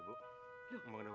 susah banget hidup gue